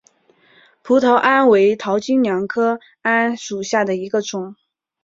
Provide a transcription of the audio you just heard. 葡萄桉为桃金娘科桉属下的一个种。